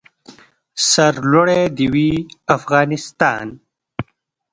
سر لوړی د وي افغانستان.